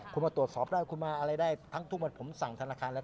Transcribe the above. คุณมาตรวจสอบได้คุณมาอะไรได้ทั้งทุกวันผมสั่งธนาคารแล้ว